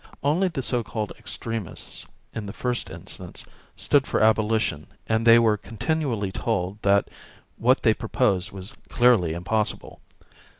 Only the so called extremists, in the first instance, stood for abolition and they were continually told that what they proposed was clearly impossible.